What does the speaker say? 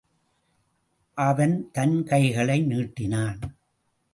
அவன் தன் கைகளை நீட்டினான்.